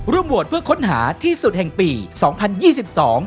โหวตเพื่อค้นหาที่สุดแห่งปีสองพันยี่สิบสอง